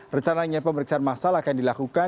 recananya pemeriksaan massal akan dilakukan